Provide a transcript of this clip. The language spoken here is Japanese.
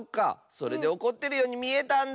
それでおこってるようにみえたんだ！